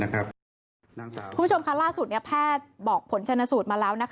คุณผู้ชมค่ะล่าสุดแพทย์บอกผลชนสูตรมาแล้ว